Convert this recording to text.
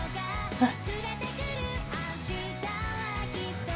えっ？